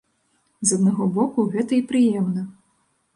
З аднаго боку, гэта і прыемна.